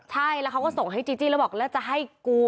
ใช่แล้วเขาก็ส่งให้จีจี้แล้วบอกแล้วจะให้กู